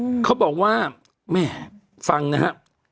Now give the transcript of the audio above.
เขาบอกว่าแม่ฟังนะฮะ